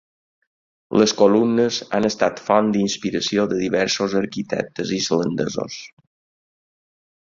Les columnes han estat font d'inspiració de diversos arquitectes islandesos.